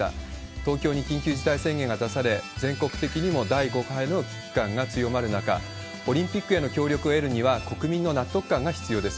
東京に緊急事態宣言が出され、全国的にも第５波への危機感が強まる中、オリンピックへの協力を得るには、国民の納得感が必要です。